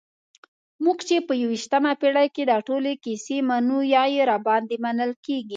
موږ چې په یویشتمه پېړۍ کې دا ټولې کیسې منو یا راباندې منل کېږي.